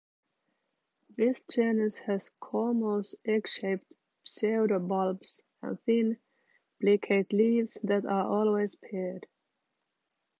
This genus has cormous, egg-shaped pseudobulbs and thin, plicate leaves that are always paired.